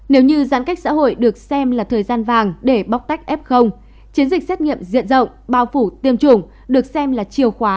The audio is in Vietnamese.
nếu như giãn cách xã hội được xem là thời gian vàng để bóc tách f chiến dịch xét nghiệm diện rộng bao phủ tiêm chủng được xem là chiều khóa